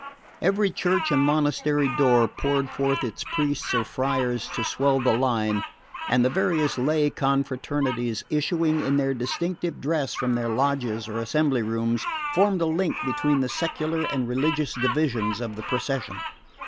Each church and monastery door poured forth its priests or friars to swell the line, and the various lay confraternities, issuing in their distinctive dress from their "lodges" or assembly rooms, formed a link between the secular and religious divisions of the procession.